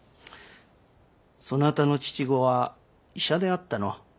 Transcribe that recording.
そなたの父御は医者であったの？